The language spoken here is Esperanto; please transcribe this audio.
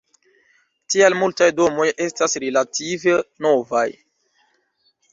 Tial multaj domoj estas relative novaj.